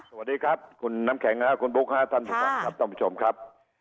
สวัสดีครับคุณน้ำแข็งคุณบุ๊คฮะท่านผู้ชมครับ